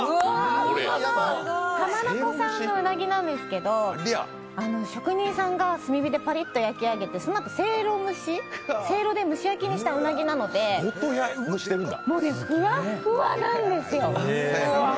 浜名湖産のうなぎなんですけど、職人さんが炭火でパリッと焼き上げてそのあと、せいろで蒸し焼きにしたうなぎなのでもうね、ふわっふわなんですよ。